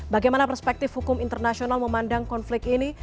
bagaimana perspektif hukum internasional memandang konflik ini